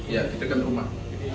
ya di dekat rumah